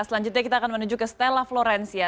selanjutnya kita akan menuju ke stella florencia